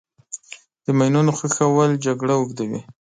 د ماینونو ښخول جګړه اوږدوي.